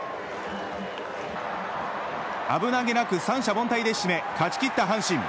危なげなく三者凡退で締め勝ち切った阪神。